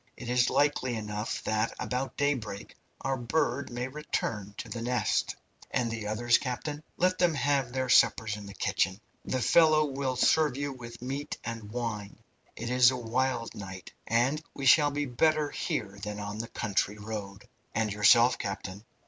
It is likely enough that about daybreak our bird may return to the nest." "And the others, captain?" "Let them have their suppers in the kitchen. The fellow will serve you with meat and wine. It is a wild night, and we shall be better here than on the country road." "And yourself, captain?"